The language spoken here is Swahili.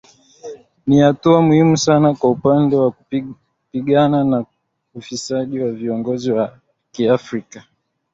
ni hatua muhimu sana kwa upande wa kupigana na ufisadi wa viongozi wa kiafrika